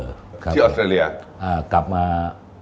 ที่ออสเตอรียา